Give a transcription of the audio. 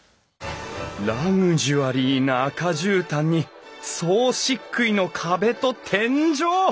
ラグジュアリーな赤じゅうたんに総しっくいの壁と天井！